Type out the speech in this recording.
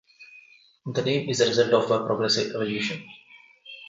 The name is a result of a progressive evolution.